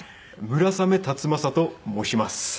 『村雨辰剛と申します。』。